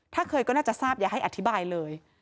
ถ้าเคยก็น่าจะทราบอย่าให้อธิบายเลย